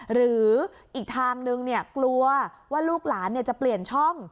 หรืออีกทางนึงกลัวว่าลูกหลานจะเปลี่ยนช่อง